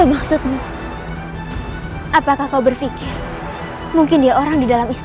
mati kau sekarang